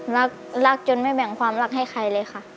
รักรักจนไม่แบ่งความรักให้ใครเลยค่ะ